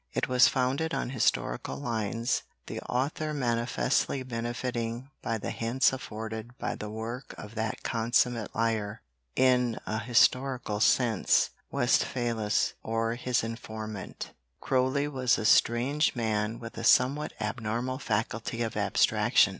It was founded on historical lines, the author manifestly benefiting by the hints afforded by the work of that consummate liar (in a historical sense) Westphalus or his informant. Croly was a strange man with a somewhat abnormal faculty of abstraction.